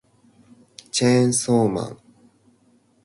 チェーンソーマン